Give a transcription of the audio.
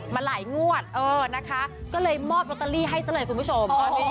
มาหลายงวดเออนะคะก็เลยมอบลอตเตอรี่ให้ซะเลยคุณผู้ชม